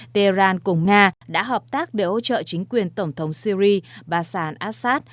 tehran cùng nga đã hợp tác để ủng hộ chính quyền tổng thống syri bashar al assad